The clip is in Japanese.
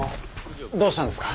どうしたんですか？